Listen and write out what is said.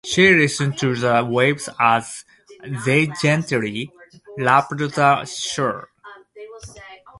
She listened to the waves as they gently lapped the shore.